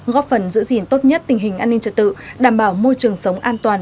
góp phần giữ gìn tốt nhất tình hình an ninh trật tự đảm bảo môi trường sống an toàn